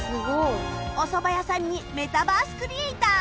おそば屋さんにメタバースクリエイター